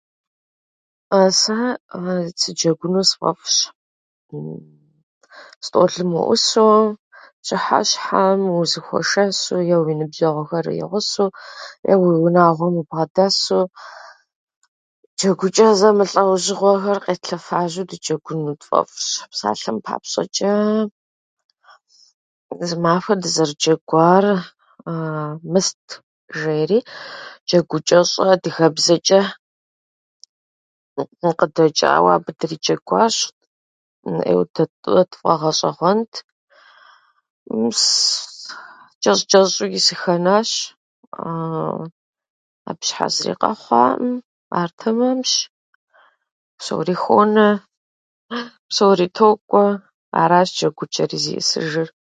"Сэ сыджэгуну сфӏэфӏщ стӏолым уӏусу пщыхьэщхьэм узэхуэшэсу е уи ныбжьэгъухэр уи гъусэу е уи унагъуэм убгъэдэсу. Джэгучӏэ зэмылӏэужьыгъуэхэр къетлъэфажьэу дыджэгуну тфӏэфӏщ. Псалъэм папщӏэчӏэ, зымахуэ дызэрыджэгуар ""Мыст"" жери джэгучӏэщӏэ адыгэбзэчӏэ къыдэчӏауэ абы дриджэгуащ. ӏейуэ дэтфӏ- тфӏэгъэщӏэгъуэнт, чӏэщӏ-чӏэщӏууи сыхэнащ, абы щхьа зыри къэхъуаӏым, ар тэмэмщ. Псори хонэ, псори токӏуэ. Аращ джэгучӏэри зиӏысыжыр."